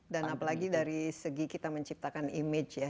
dan apalagi dari segi kita menciptakan image ya